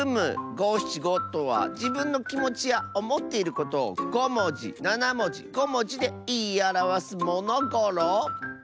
ごしちごとはじぶんのきもちやおもっていることを５もじ７もじ５もじでいいあらわすものゴロ！